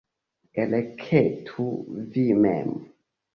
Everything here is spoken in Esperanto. Elektu vi mem!